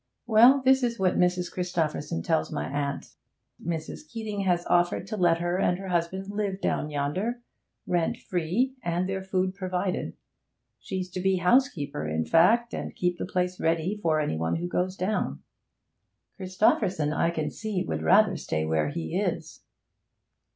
Well, this is what Mrs. Christopherson tells my aunt, Mrs. Keeting has offered to let her and her husband live down yonder, rent free, and their food provided. She's to be housekeeper, in fact, and keep the place ready for any one who goes down.' 'Christopherson, I can see, would rather stay where he is.'